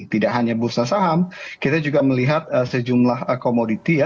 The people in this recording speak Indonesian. tidak hanya bursa saham kita juga melihat sejumlah komoditi ya